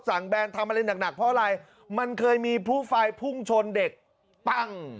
แบรนด์ทำอะไรหนักหนักเพราะอะไรมันเคยมีผู้ไฟพุ่งชนเด็กปั้ง